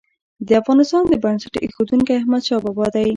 د افغانستان بنسټ ايښودونکی احمدشاه بابا دی.